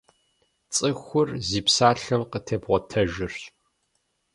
ЦӀыхур зи псалъэм къытебгъуэтэжырщ.